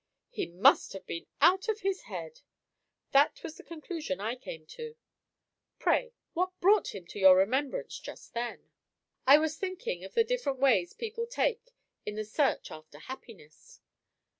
"He must have been out of his head." "That was the conclusion I came to." "Pray what brought him to your remembrance just then?" "I was thinking of the different ways people take in the search after happiness."